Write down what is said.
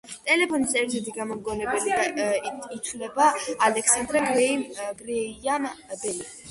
ტელეფონის ერთ-ერთ გამომგონებლად ითვლება ალექსანდერ გრეიამ ბელი.